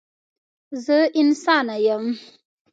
زه انسانه یم.